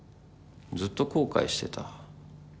ずっと後悔してた。